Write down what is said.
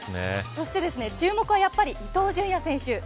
そして注目は、やっぱり伊東純也選手。